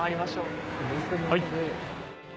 はい。